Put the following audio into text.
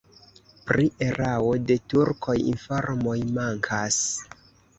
Pri erao de turkoj informoj mankas.